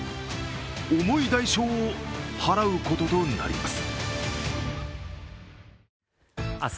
重い代償を払うこととなります。